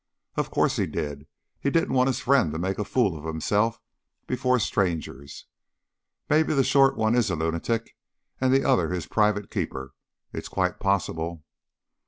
"Of course he did. He didn't want his friend to make a fool of himself before strangers. Maybe the short one is a lunatic, and the other his private keeper. It's quite possible."